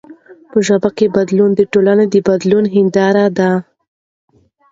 په ژبه کښي بدلون د ټولني د بدلون هنداره ده.